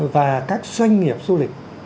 và các doanh nghiệp du lịch